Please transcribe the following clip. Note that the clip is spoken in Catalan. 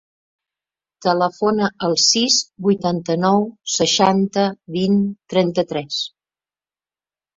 Telefona al sis, vuitanta-nou, seixanta, vint, trenta-tres.